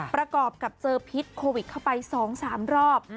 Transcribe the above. ประกอบกับเจอพิษโควิดเข้าไป๒๓รอบ